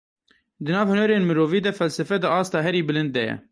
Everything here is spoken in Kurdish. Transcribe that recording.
Di nav hunerên mirovî de felsefe di asta herî bilind de ye.